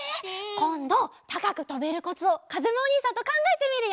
こんどたかくとべるコツをかずむおにいさんとかんがえてみるよ！